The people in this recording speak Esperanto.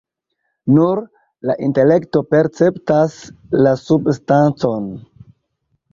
Nur la intelekto perceptas la substancon.